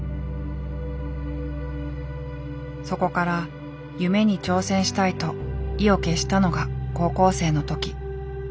そこから夢に挑戦したいと意を決したのが高校生の時。